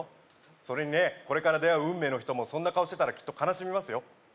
それにねこれから出会う運命の人もそんな顔してたらきっと悲しみますよ